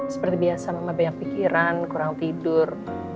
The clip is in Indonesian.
seperti biasa mama banyak pikiran kurang tidur